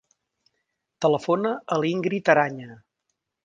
Telefona a l'Íngrid Araña.